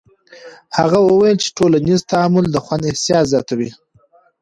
هغه وویل چې ټولنیز تعامل د خوند احساس زیاتوي.